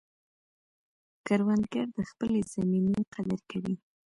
کروندګر د خپلې زمینې قدر کوي